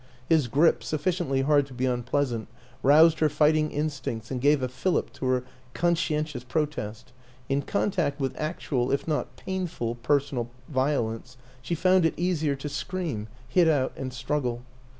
His grip, sufficiently hard to be unpleasant, roused her fight ing instincts and gave a fillip to her conscientious protest; in contact with actual, if not painful, personal violence, she found it easier to scream, hit out and struggle.